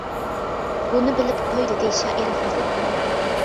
بۇنى بىلىپ قوي-دېدى شائىر غەزەپ بىلەن.